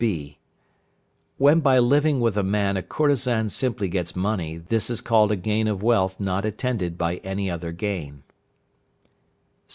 (b). When by living with a man a courtesan simply gets money, this is called a gain of wealth not attended by any other gain.